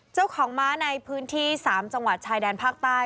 เจ้าของม้าในพื้นที่๓จังหวัดชายแดนภาคใต้